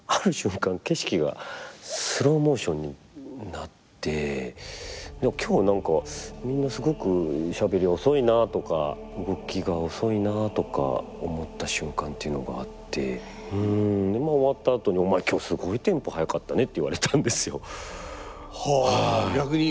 景色がスローモーションになって今日何かみんなすごくしゃべり遅いなとか動きが遅いなとか思った瞬間っていうのがあってまあ終わったあとでお前今日すごいテンポ速かったねって言われたんですよ。は逆に。